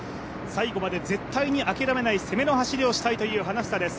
最後まで絶対に諦めない攻めの走りをしたいという花房です。